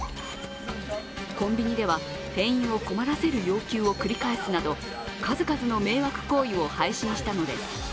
コンビニでは店員を困らせる要求を繰り返すなど数々の迷惑行為を配信したのです。